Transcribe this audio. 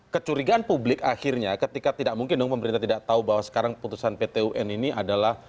kecurigaan publik akhirnya ketika tidak mungkin dong pemerintah tidak tahu bahwa sekarang putusan pt un ini adalah